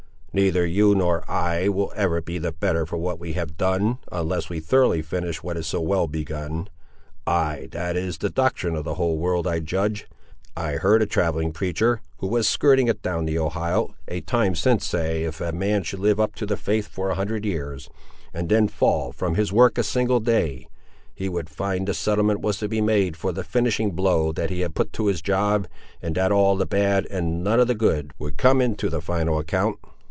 Neither you nor I will ever be the better for what we have done, unless we thoroughly finish what is so well begun. Ay, that is the doctrine of the whole world, I judge: I heard a travelling preacher, who was skirting it down the Ohio, a time since, say, if a man should live up to the faith for a hundred years, and then fall from his work a single day, he would find the settlement was to be made for the finishing blow that he had put to his job, and that all the bad, and none of the good, would come into the final account."